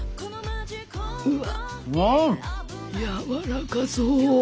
うわやわらかそう。